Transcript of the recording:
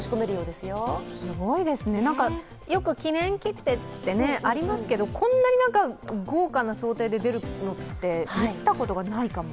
すごいですね、よく記念切手ってありますけど、こんなに豪華な装丁で出るのは見たことないかも。